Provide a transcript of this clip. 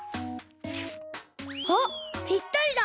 あっぴったりだ！